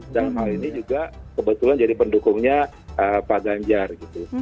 dan hal ini juga kebetulan jadi pendukungnya pak ganjar gitu